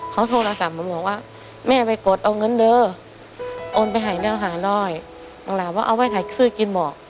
เขาโทรศัพท์มาบอกว่าแม่ไปกดเอาเงินเด้อโอนไปหายเนื้อหาน้อยบางหลานว่าเอาไว้ถ่ายซื้อกินบอก